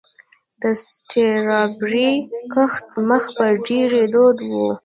د سټرابیري کښت مخ په ډیریدو دی.